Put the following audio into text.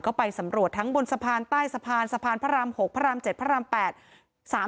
ก็ไปสำรวจทั้งบนสะพานใต้สะพานสะพานพระราม๖พระราม๗พระราม๘